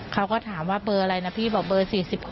เขาก็ถามว่าเบอร์อะไรนะพี่บอกเบอร์๔๖